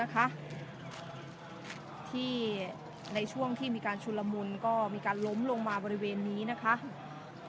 มีผู้ที่ได้รับบาดเจ็บและถูกนำตัวส่งโรงพยาบาลเป็นผู้หญิงวัยกลางคน